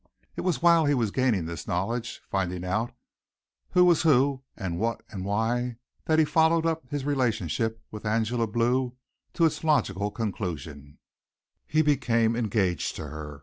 It was while he was gaining this knowledge finding out who was who and what and why that he followed up his relationship with Angela Blue to its logical conclusion he became engaged to her.